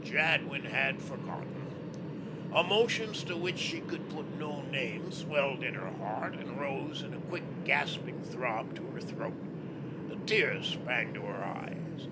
Jadwin had forgotten. Emotions to which she could put no name swelled in her heart and rose in a quick, gasping sob to her throat. The tears sprang to her eyes.